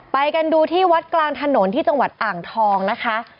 ไปกันดูที่วัดกลางถนนที่จังหวัดอ่างทองนะคะ